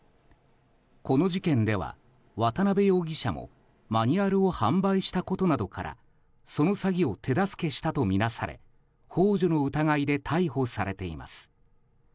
この事件では渡邊容疑者もマニュアルを販売したことなどからその詐欺を手助けしたとみなされ幇助の疑いで逮捕されています。